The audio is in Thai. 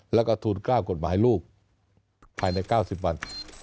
แล้วก็ทูล๙กฎหมายลูกภายใน๙๐วัน